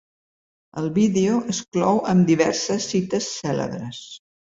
El vídeo es clou amb diverses cites cèlebres.